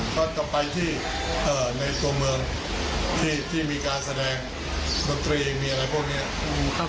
ก็จะไปที่ในตัวเมืองที่มีการแสดงดนตรีมีอะไรพวกนี้